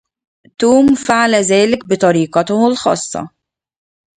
توم فعل ذلك بطريقته الخاصة.